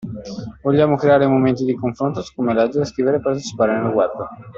Vogliamo creare momenti di confronto su come leggere, scrivere e partecipare nel Web.